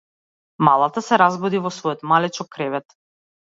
Малата се разбуди во својот малечок кревет.